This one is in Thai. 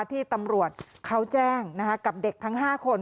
ที่ตำรวจเขาแจ้งกับเด็กทั้ง๕คน